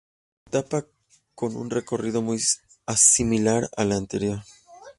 Etapa con un recorrido muy similar al anterior.